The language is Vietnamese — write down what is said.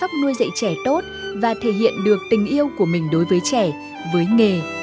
bác sĩ nguyễn võ kỳ anh chăm sóc nuôi dạy trẻ tốt và thể hiện được tình yêu của mình đối với trẻ với nghề